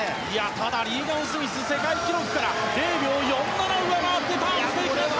ただ、リーガン・スミス世界記録から０秒４７上回ってターンしていきました。